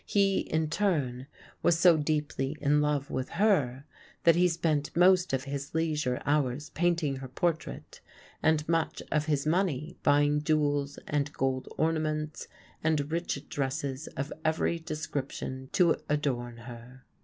He in turn was so deeply in love with her that he spent most of his leisure hours painting her portrait and much of his money buying jewels and gold ornaments and rich dresses of every description to adorn her.